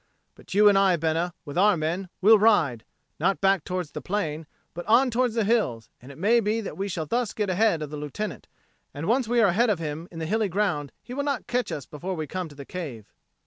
But you and I, Bena, with our men, will ride, not back towards the plain, but on towards the hills, and it may be that we shall thus get ahead of the Lieutenant; and once we are ahead of him in the hilly ground, he will not catch us before we come to the cave."